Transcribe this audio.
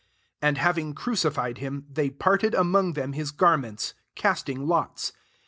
$6 And having crucified him, they part* I ed among them his garments, casting lots.